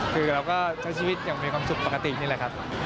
คือเราก็ใช้ชีวิตอย่างมีความสุขปกตินี่แหละครับ